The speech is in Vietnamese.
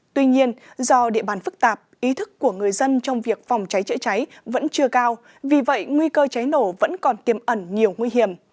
tuy nhiên do địa bàn phức tạp ý thức của người dân trong việc phòng cháy chữa cháy vẫn chưa cao vì vậy nguy cơ cháy nổ vẫn còn tiềm ẩn nhiều nguy hiểm